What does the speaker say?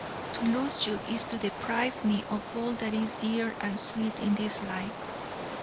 To lose you is to deprive me of all that is dear and sweet in this life.